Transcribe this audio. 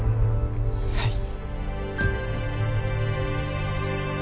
はい。